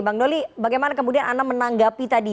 bang doli bagaimana kemudian anda menanggapi tadi